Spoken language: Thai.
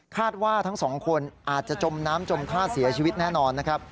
ว่าทั้งสองคนอาจจะจมน้ำจมท่าเสียชีวิตแน่นอนนะครับ